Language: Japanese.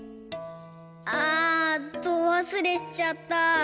あどわすれしちゃった。